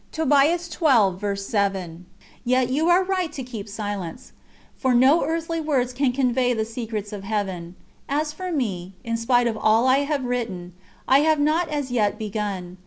" Yet you are right to keep silence, for no earthly words can convey the secrets of Heaven. As for me, in spite of all I have written, I have not as yet begun.